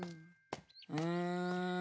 うん。